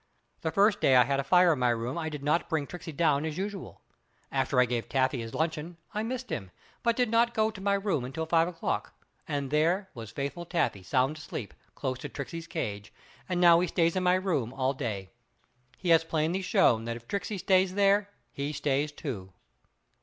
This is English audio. The first day I had a fire in my room I did not bring Tricksey down as usual. After I gave Taffy his luncheon I missed him, but did not go to my room until five o'clock, and there was faithful Taffy sound asleep close to Tricksey's cage, and now he stays in my room all day. He has plainly shown that if Tricksey stays there he stays too.